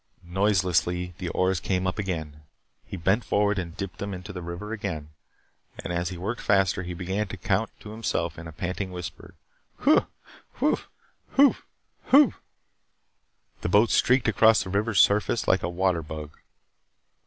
Noiselessly the oars came up again. He bent forward and dipped them into the river again. And as he worked faster he began to count to himself in a panting whisper: "Huh huh huh huf!" The boat streaked across the river's surface like a water bug.